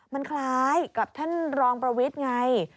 มันคล้ายกับท่านรองประวิทย์ไง